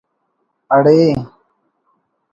اڑے